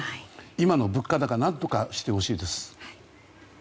今の物価高何とかしてほしいです。